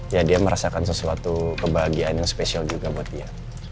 ya dia merasakan sesuatu kebahagiaan yang spesial juga buat dia